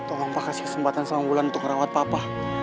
tolong pak kasih kesempatan sama bulan untuk ngerawat papa